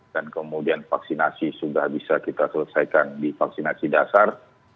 dan kemudian vaksinasi sudah bisa kita selesaikan di vaksinasi dasar